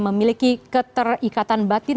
memiliki keterikatan batin